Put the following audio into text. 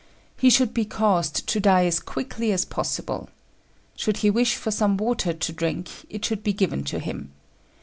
He should be caused to die as quickly as possible. Should he wish for some water to drink, it should be given to him.